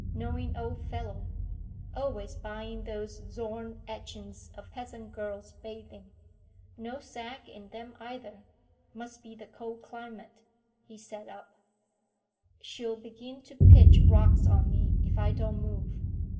Knowing old fellow. Always buying those Zorn etchings of peasant girls bathing. No sag in them either. Must be the cold climate." He sat up. "She'll begin to pitch rocks on me if I don't move."